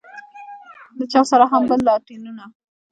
له چا سره هم بل لاټينونه.